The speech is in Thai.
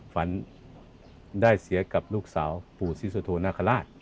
ฝันได้เสียกับลูกสาวปู่ศรีสุโธนาคาราช